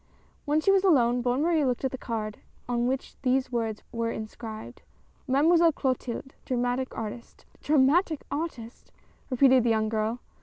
When she was alone, Bonne Marie looked at the card on ^hich these words were inscribed, MADEMOISELLE CLOTILDE. DRAMATIC ARTIST. "Dramatic artist?" repeated the young girl.